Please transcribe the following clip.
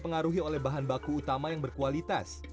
pengaruhi oleh bahan baku utama yang berkualitas